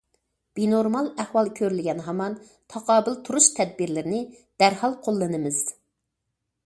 بىنورمال ئەھۋال كۆرۈلگەن ھامان تاقابىل تۇرۇش تەدبىرلىرىنى دەرھال قوللىنىمىز.